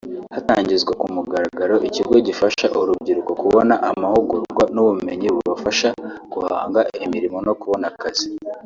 Hatangizwa ku mugaragaro ikigo gifasha urubyiruko kubona amahugurwa n’ubumenyi bubafasha guhanga imirimo no kubona akazi